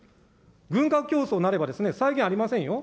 軍拡競争になれば再現ありませんよ。